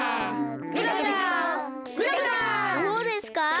どうですか？